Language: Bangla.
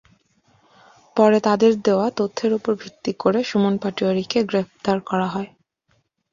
পরে তাঁদের দেওয়া তথ্যের ওপর ভিত্তি করে সুমন পাটোয়ারীকে গ্রেপ্তার করা হয়।